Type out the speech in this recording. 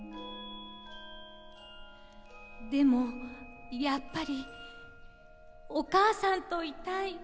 でもやっぱりお母さんといたい。